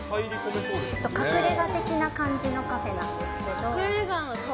ちょっと隠れが的な感じのカフェなんですけど。